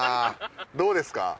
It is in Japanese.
どうですか？